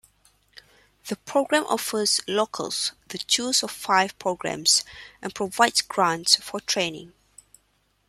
The program offers locals the choose of five programs and provides grants for training.